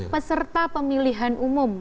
peserta pemilihan umum